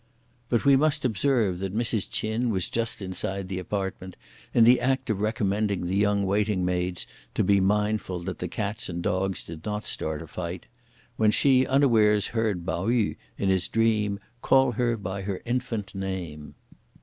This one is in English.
But we must observe that Mrs. Ch'in was just inside the apartment in the act of recommending the young waiting maids to be mindful that the cats and dogs did not start a fight, when she unawares heard Pao yü, in his dream, call her by her infant name.